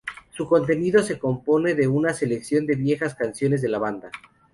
Su contenido se compone de una selección de viejas canciones de la banda.